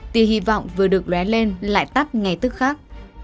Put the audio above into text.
tuy hi vọng vừa được lé lên lại tắt ngay tức khác